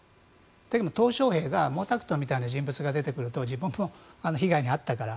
というのもトウ・ショウヘイが毛沢東みたいな人物が出てくると自分も被害に遭ったから。